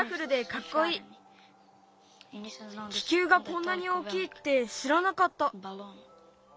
気球がこんなに大きいってしらなかった。